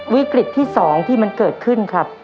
วิกฤตที่๒ที่มันเกิดขึ้นครับ